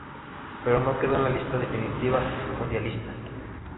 Pero no quedó en la lista definitiva mundialista.